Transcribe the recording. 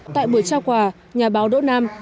tại buổi trao quà nhà báo đỗ nam